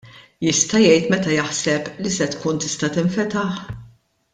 Jista' jgħid meta jaħseb li se tkun tista' tinfetaħ?